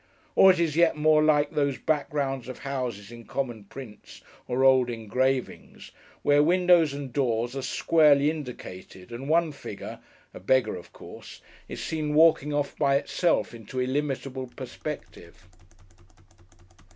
Or it is yet more like those backgrounds of houses in common prints, or old engravings, where windows and doors are squarely indicated, and one figure (a beggar of course) is seen walking off by itself into illimitable perspective.